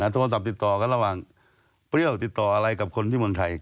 โทรศัพท์ติดต่อกันระหว่างเปรี้ยวติดต่ออะไรกับคนที่เมืองไทย